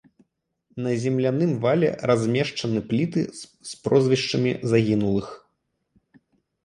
На земляным вале размешчаны пліты з прозвішчамі загінулых.